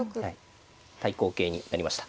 対抗型になりました。